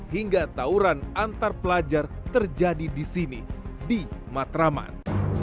hingga tawuran antar pelajar terjadi di sini di matraman